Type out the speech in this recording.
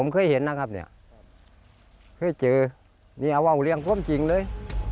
เคยเจอนี่เอาว่าอุเรียงพร้อมจริงเลย